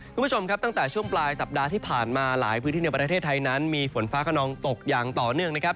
คุณผู้ชมครับตั้งแต่ช่วงปลายสัปดาห์ที่ผ่านมาหลายพื้นที่ในประเทศไทยนั้นมีฝนฟ้าขนองตกอย่างต่อเนื่องนะครับ